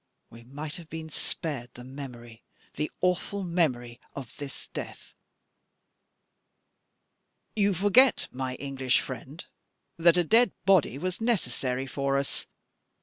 We might have been spared the memory the awful memory of this death!" "You forget, my English friend, that a dead body was necessary for us.